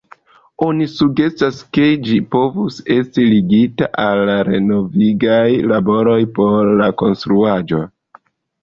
Oni sugestas, ke ĝi povus esti ligita al renovigaj laboroj por la konstruaĵo.